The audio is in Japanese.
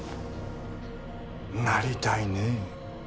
なりたいねえ。